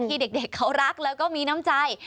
ที่เด็กเขารักแล้วก็มีน้ำใจ